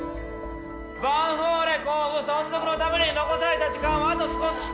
ヴァンフォーレ甲府存続のために残された時間はあと少ししかありません。